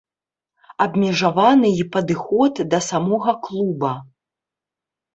Абмежаваны і падыход да самога клуба.